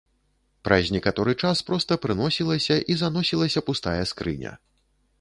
Праз некаторы час проста прыносілася і заносілася пустая скрыня.